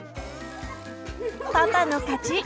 パパの勝ち！